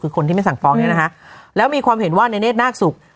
คือคนที่ไม่สั่งฟ้องเนี่ยนะคะแล้วมีความเห็นว่าในเนธนาคศุกร์